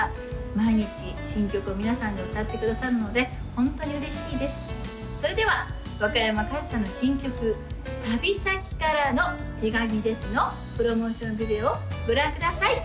毎日新曲を皆さんが歌ってくださるのでホントに嬉しいですそれでは若山かずさの新曲「旅先からの手紙です」のプロモーションビデオをご覧ください